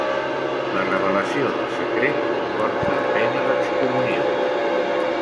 La revelació del secret comporta pena d'excomunió.